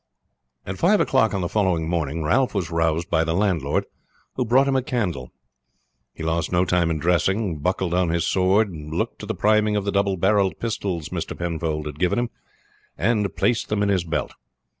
At five o'clock on the following morning Ralph was roused by the landlord, who brought him a candle; he lost no time in dressing, buckled on his sword, looked to the priming of the double barreled pistols Mr. Penfold had given him, and placed them in his belt.